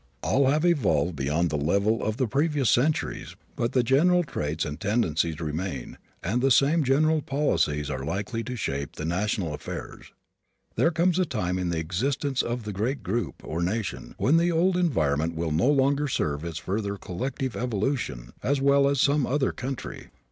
All have evolved beyond the level of the previous centuries but the general traits and tendencies remain and the same general policies are likely to shape the national affairs. There comes a time in the existence of the great group, or nation, when the old environment will no longer serve for its further collective evolution as well as some other country.